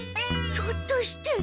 ひょっとして。